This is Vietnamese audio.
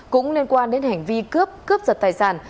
cũng liên quan đến hành vi cướp cướp giật tài sản